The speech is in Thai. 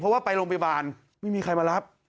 เพราะว่าไปโรงพยาบาลไม่มีใครมารับ